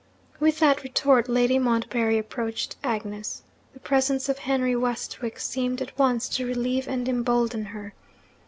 With that retort, Lady Montbarry approached Agnes. The presence of Henry Westwick seemed at once to relieve and embolden her.